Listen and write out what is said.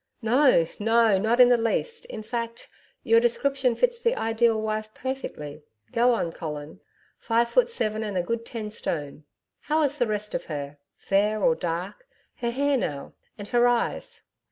'No, no, not in the least. In fact, your description fits the Ideal Wife perfectly. Go on, Colin. Five foot seven and a good ten stone. How is the rest of HER? Fair or dark her hair now and her eyes?'